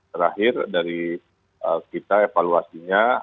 terakhir dari kita evaluasinya